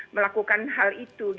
melakukan hal itu